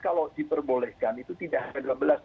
kalau diperbolehkan itu tidak hanya dua belas